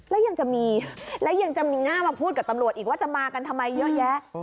และยังจะมีง่ามาพูดกับตำรวจอีกว่าจะมากันทำไมเยอะแยะ